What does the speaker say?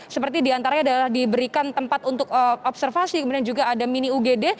seperti diantaranya adalah diberikan tempat untuk observasi kemudian juga ada mini ugd